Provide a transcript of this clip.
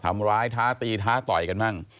ทำร้ายท้าตีท้าต่อยกันบ้าง